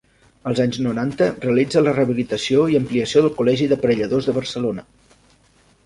Als anys noranta realitza la rehabilitació i ampliació del Col·legi d'Aparelladors de Barcelona.